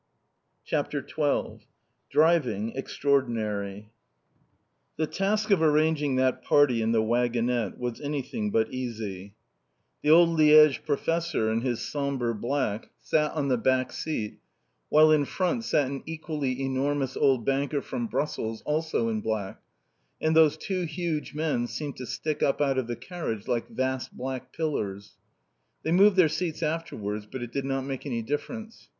CHAPTER XII DRIVING EXTRAORDINARY The task of arranging that party in the waggonette was anything but easy. The old Liège professor, in his sombre black, sat on the back seat, while in front sat an equally enormous old banker from Brussels, also in black, and those two huge men seemed to stick up out of the carriage like vast black pillars. They moved their seats afterwards, but it did not make any difference.